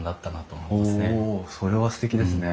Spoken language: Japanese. それはすてきですね。